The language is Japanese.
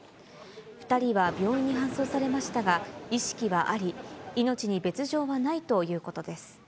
２人は病院に搬送されましたが、意識はあり、命に別状はないということです。